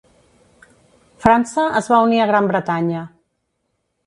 França es va unir a Gran Bretanya.